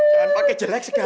jangan pakai jelek segala